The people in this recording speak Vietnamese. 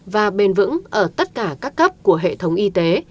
và bền vững ở tất cả các cấp của hệ thống y tế